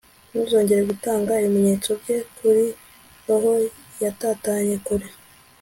Ntuzongere gutanga ibimenyetso bye kuri roho yatatanye kure